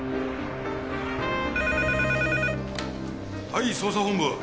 はい捜査本部。